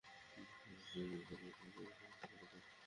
আমি আপনার শরীরে হাত উঠিয়েছি, আমাকে মাফ করে দেন।